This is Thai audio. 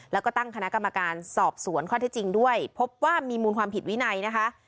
แล้วก็ตั้งคณะกรรมการสอบสวนข้อที่จริงด้วยพบว่ามีมูลความผิดวินัยนะคะ